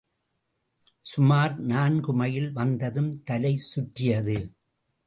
சுமார் நான்கு மைல் வந்ததும் தலை சுற்றியது.